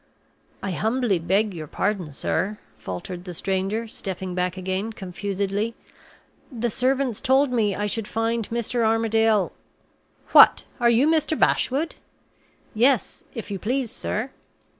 "I humbly beg your pardon, sir," faltered the stranger, stepping back again, confusedly. "The servants told me I should find Mr. Armadale " "What, are you Mr. Bashwood?" "Yes, if you please, sir."